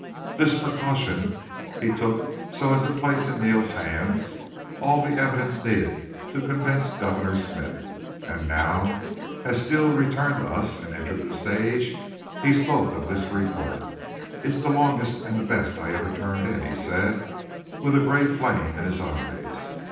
This precaution he took so as to place in Neal's hands all the evidence needed to convince Governor Smith. And now, as Steele returned to us and entered the stage, he spoke of this report. "It's the longest and the best I ever turned in," he said, with a gray flame in his eyes.